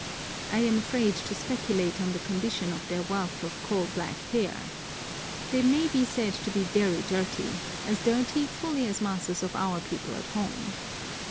I am afraid to speculate on the condition of their wealth of coal black hair. They may be said to be very dirty—as dirty fully as masses of our people at home.